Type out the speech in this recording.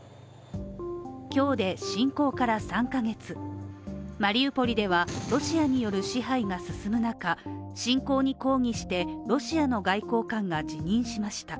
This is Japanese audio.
今日で侵攻から３ヶ月マリウポリでは、ロシアによる支配が進む中、侵攻に抗議して、ロシアの外交官が辞任しました。